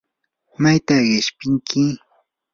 ¿mayta qishpinki?